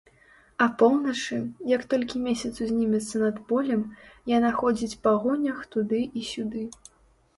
Апоўначы, як толькі месяц узнімецца над полем, яна ходзіць па гонях туды і сюды.